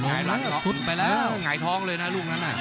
หลงสุดไปแล้วหลงหลังหายท้องเลยนะรูปนั้นอ่ะ